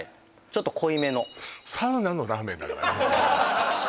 ちょっと濃いめのサウナのラーメンだからね